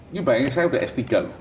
ini bayangin saya sudah s tiga